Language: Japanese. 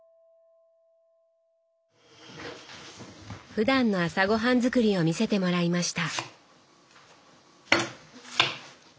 ふだんの朝ごはん作りを見せてもらいました。